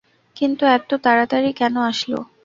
কিন্তু এত্ত তাড়াতাড়ি কেনো আসলো?